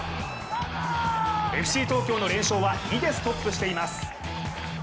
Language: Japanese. ＦＣ東京の連勝は２でストップしています。